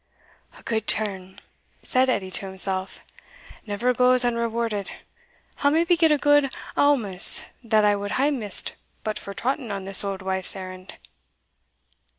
"A good turn," said Edie to himself, "never goes unrewarded I'll maybe get a good awmous that I wad hae missed but for trotting on this auld wife's errand."